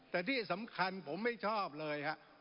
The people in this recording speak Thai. แต่ที่สำคัญผมไม่ชอบเลยฮะ